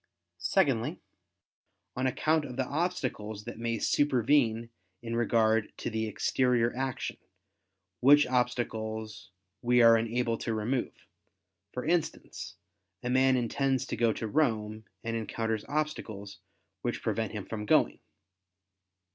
Secondly, on account of the obstacles that may supervene in regard to the exterior action, which obstacles we are unable to remove: for instance, a man intends to go to Rome, and encounters obstacles, which prevent him from going.